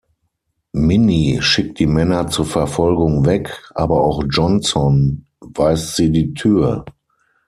Minnie schickt die Männer zur Verfolgung weg, aber auch Johnson weist sie die Tür.